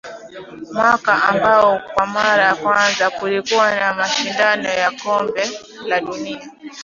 mwaka ambao kwa mara ya kwanza kulikuwa na mashindano ya Kombe la Dunia